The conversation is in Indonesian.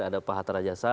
ada pak hatta rajasa